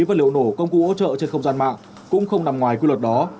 và liệu nổ công cụ hỗ trợ trên không gian mạng cũng không nằm ngoài quy luật đó